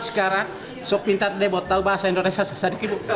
sekarang sudah pinter dapat tahu bahasa indonesia sedikit